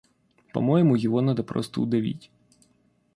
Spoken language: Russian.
По-моему, его надо просто удавить.